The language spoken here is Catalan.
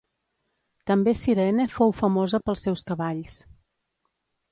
També Cirene fou famosa pels seus cavalls.